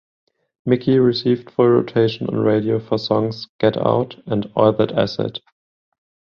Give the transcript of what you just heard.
Mickey received full rotation on radio for songs "Get Out" and "All That Acid".